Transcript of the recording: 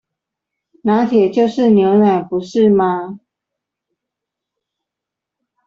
「拿鐵」就是牛奶不是嗎？